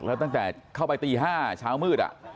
แล้วตั้งแต่เข้าไปตี๕เช้ามืด